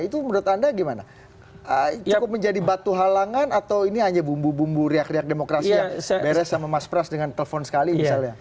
itu menurut anda gimana cukup menjadi batu halangan atau ini hanya bumbu bumbu riak riak demokrasi yang beres sama mas pras dengan telepon sekali misalnya